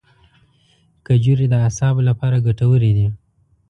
کجورې د اعصابو لپاره ګټورې دي.